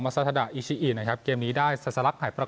มัสซาธรดาอิชิอินะครับเกมนี้ได้สัตว์หลักหายประโคน